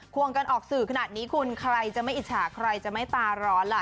วงกันออกสื่อขนาดนี้คุณใครจะไม่อิจฉาใครจะไม่ตาร้อนล่ะ